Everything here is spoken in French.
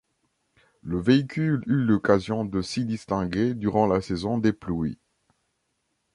Le véhicule eut l'occasion de s'y distinguer durant la saison des pluies.